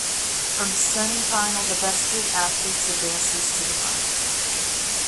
From semifinal the best three athletes advances to the final.